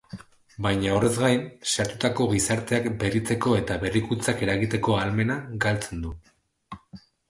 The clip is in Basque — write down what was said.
Baina horrez gain, zahartutako gizarteak berritzeko eta berrikuntzak eragiteko ahalmena galtzen du.